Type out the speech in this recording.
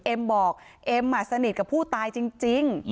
บอกเอ็มสนิทกับผู้ตายจริง